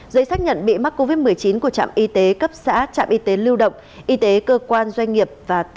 giấy xét nghiệm bị mắc covid một mươi chín của trạm y tế cấp xã trạm y tế lưu động y tế cơ quan doanh nghiệp